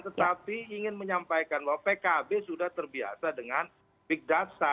tetapi ingin menyampaikan bahwa pkb sudah terbiasa dengan bidata